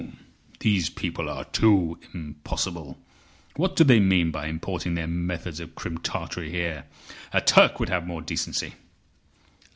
These people are too impossible. What do they mean by importing their methods of Crim Tartary here? A Turk would have more decency."